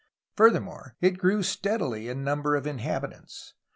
Furthermore, it grew steadily in number of inhabitants.